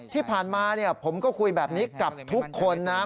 ที่ผ่านมาผมก็คุยแบบนี้กับทุกคนนะครับ